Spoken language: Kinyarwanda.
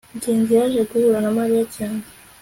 ngenzi yaje guhura na mariya cyane